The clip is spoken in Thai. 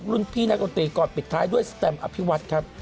รุ่นพี่นักดนตรีก่อนปิดท้ายด้วยสแตมอภิวัตรครับ